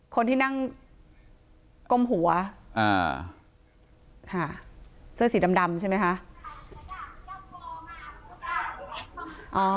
คนที่นั่งก้มหัวค่ะเสื้อสีดำใช่ไหมคะ